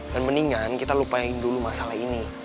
dan mendingan kita lupain dulu masalah ini